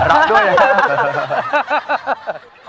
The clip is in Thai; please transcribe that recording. ออกด้วยเสียผิว